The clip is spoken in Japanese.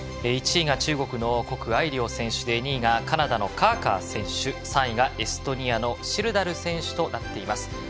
１位が中国の谷愛凌選手２位がカナダのカーカー選手３位がエストニアのシルダル選手となっています。